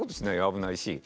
危ないし。